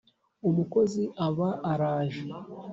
umukozi aba araje